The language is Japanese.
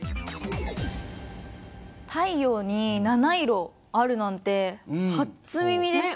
太陽に７色あるなんて初耳でした。